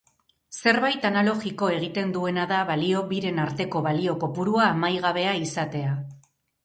Zerbait analogiko egiten duena da balio biren arteko balio kopurua amaigabea izatea